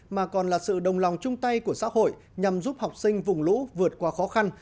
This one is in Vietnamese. mà còn là sự đồng lòng chung tay của xã hội nhằm giúp học sinh vùng lũ vượt qua khó khăn